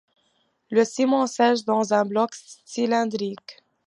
Le ciment sèche dans un bloc cylindrique.